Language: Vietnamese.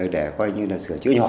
để coi như là sửa chữa nhỏ